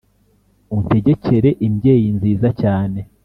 Untegekere imbyeyi nziza cyane